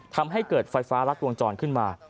ทำให้เกิดไฟฟ้ารัดวงจรขึ้นมา